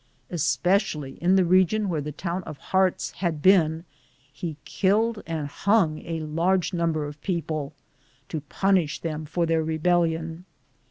Especially in the region where the town of Hearts had been, he killed and hung a large number of people to pun ish them for their rebellion.